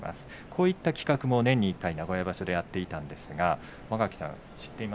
こういった企画も年に１回名古屋場所でやっていたんですがはい。